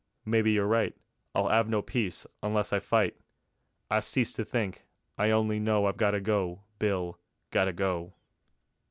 Maybe you're right. I'll 'ave no peace unless I fight. I've ceased to think; I only know I've gotta go, Bill, gotta go.